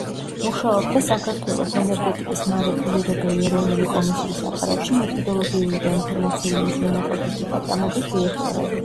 მუშაობდა საქართველოს ენერგეტიკის მარეგულირებელი ეროვნული კომისიის აპარატში მეთოდოლოგიური და ინფორმაციული უზრუნველყოფის დეპარტამენტის დირექტორად.